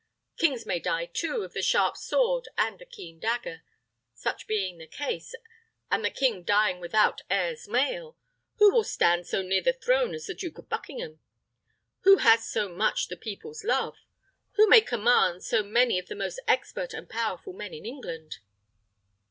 Kings may die, too, of the sharp sword and the keen dagger. Such being the case, and the king dying without heirs male, who will stand so near the throne as the Duke of Buckingham? Who has so much the people's love? Who may command so many of the most expert and powerful men in England?"